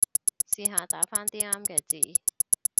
試下打返啲啱嘅字